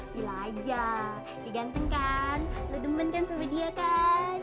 gila aja dia ganteng kan lu demen kan sama dia kan